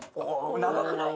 長くない？